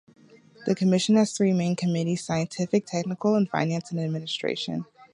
The Commission has three main committees - Scientific, Technical, and Finance and Administration.